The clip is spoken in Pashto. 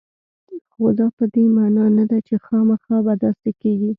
خو دا په دې معنا نه ده چې خامخا به داسې کېږي